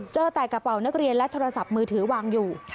เจอแต่กระเป๋านักเรียนและโทรศัพท์มือถือวางอยู่